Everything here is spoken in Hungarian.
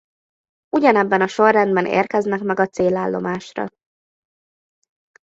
Ugyanebben a sorrendben érkeznek meg a célállomásra.